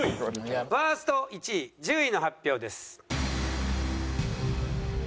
ワースト１位１０位の発表です。